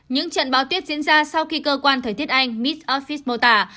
những trận báo tuyết diễn ra sau khi cơ quan thời tiết anh mid office mô tả